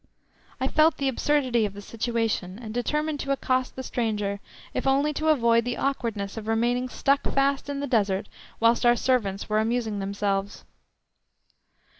I felt the absurdity of the situation, and determined to accost the stranger if only to avoid the awkwardness of remaining stuck fast in the Desert whilst our servants were amusing themselves.